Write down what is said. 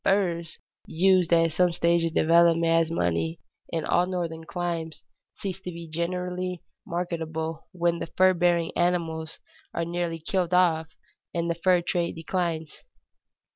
Furs, used at some stage of development as money in all northern climes, cease to be generally marketable when the fur bearing animals are nearly killed off and the fur trade declines.